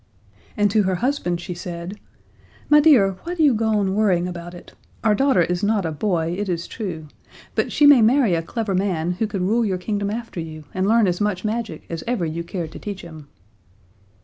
And to her husband she said, "My dear, why do you go on worrying about it? Our daughter is not a boy, it is true but she may marry a clever man who could rule your kingdom after you, and learn as much magic as ever you cared to teach him."